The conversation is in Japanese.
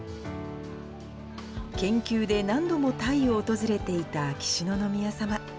研究で何度もタイを訪れていた秋篠宮さま。